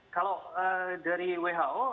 kalau dari who